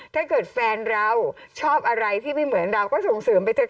ถ้าเกิดแฟนเราชอบอะไรที่ไม่เหมือนเราก็ส่งเสริมไปเถอ